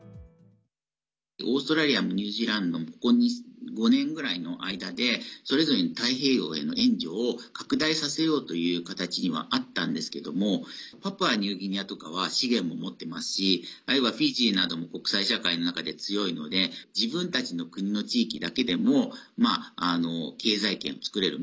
オーストラリアもニュージーランドもここ５年ぐらいの間でそれぞれに太平洋への援助を拡大させようという形にはあったんですけどもパプアニューギニアとかは資源も持っていますしあるいはフィジーなども国際社会の中で強いので自分たちの国の地域だけでも経済圏を作れる。